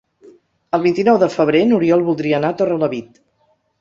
El vint-i-nou de febrer n'Oriol voldria anar a Torrelavit.